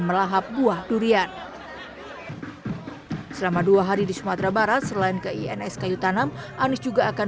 melahap buah durian selama dua hari di sumatera barat selain keins kayu tanam anies juga akan